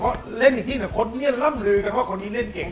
ก็เล่นอีกที่เนี้ยคนนี้ล้ำลือกันว่าคนนี้เล่นเก่ง